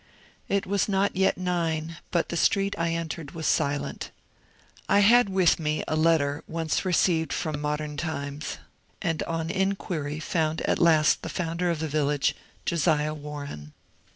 It was not yet nine, but the street I entered was silent. I had with me a letter once received from Modem Times, and on inquiry found at last the founder of the village, Josiah Warren.